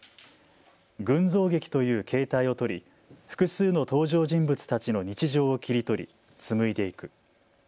群像劇という形態を取り、複数の登場人物たちの日常を切り取り、紡いでいく。